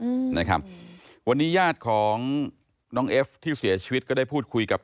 อืมนะครับวันนี้ญาติของน้องเอฟที่เสียชีวิตก็ได้พูดคุยกับ